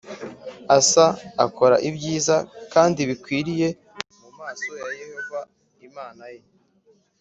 Asa akora ibyiza kandi bikwiriye mu maso ya Yehova Imana ye